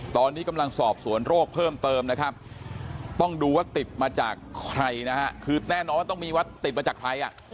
ตอนนี้กำลังสอบสวนโรคเพิ่มเติมนะครับต้องดูว่าติดมาจากใครนะฮะคือแน่นอนว่าต้องมีวัดติดมาจากใคร